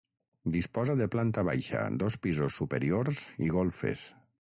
Disposa de planta baixa, dos pisos superiors i golfes.